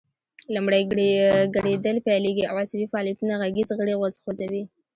لومړی ګړیدل پیلیږي او عصبي فعالیتونه غږیز غړي خوځوي